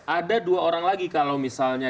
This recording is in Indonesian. ada dua orang lagi kalau misalnya